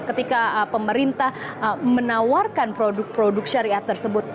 ketika pemerintah menawarkan produk produk syariah tersebut